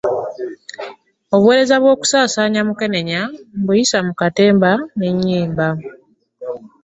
Obuweereza bw'okusaasaanya Mukenenya mbuyisa mu katemba n'ennyimba